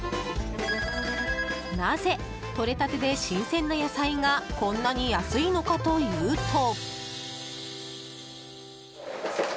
なぜ、とれたてで新鮮な野菜がこんなに安いのかというと。